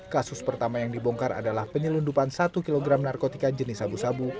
kasus pertama yang dibongkar adalah penyelundupan satu kg narkotika jenis sabu sabu